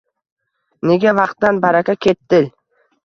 Nega vaqtdan baraka ketdiI?